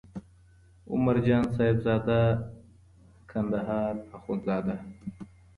عمرجان صاحبزاده کندهار اخندزاده